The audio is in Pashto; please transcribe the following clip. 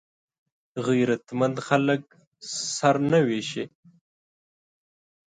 غیرتمند خلک سره نه وېشي